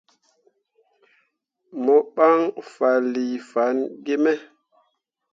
Mo ɓan fanlii fanne gi me.